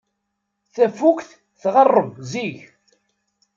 Tafukt tɣerreb zik.